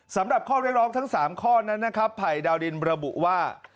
สำหรับข้อเรียกร้องทั้ง๓ข้อนั้นนะครับภัยดาวดินระบุว่า